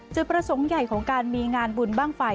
จุดประสงค์ใหญ่ของการมีงานบุญบ้างไฟ